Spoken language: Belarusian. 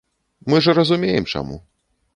Мы ж разумеем, чаму.